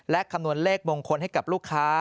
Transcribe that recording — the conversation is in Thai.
และคำนวณเลขมงคลให้กับลูกค้า